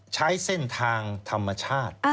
ใช้เส้นทางธรรมชาติ